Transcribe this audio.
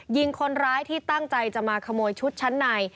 ยิงคนร้ายที่ตั้งใจจะมาขโมยชุดชั้นใน